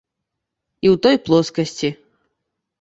І ў той плоскасці.